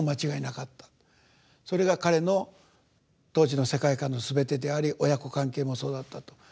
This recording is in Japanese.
それが彼の当時の世界観のすべてであり親子関係もそうだったと。